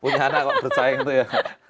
punya anak kok bersaing itu ya